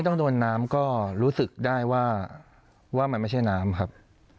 ต้องโดนน้ำก็รู้สึกได้ว่ามันไม่ใช่น้ำครับ